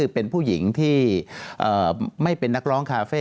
เป็นผู้หญิงที่ไม่เป็นนักร้องคาเฟ่